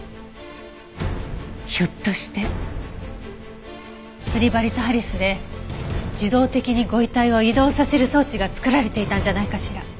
ひょっとして釣り針とハリスで自動的にご遺体を移動させる装置が作られていたんじゃないかしら。